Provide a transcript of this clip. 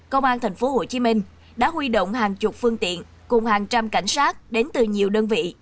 công an tp hcm đã huy động hàng chục phương tiện cùng hàng trăm cảnh sát đến từ nhiều đơn vị